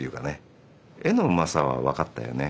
絵のうまさは分かったよね。